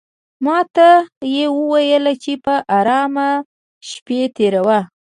ماته یې وویل چې په آرامه شپې تېروه.